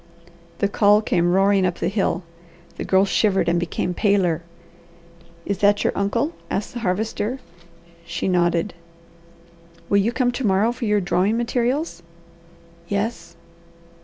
The call came roaring up the hill. The Girl shivered and became paler. "Is that your uncle?" asked the Harvester. She nodded. "Will you come to morrow for your drawing materials?" "Yes."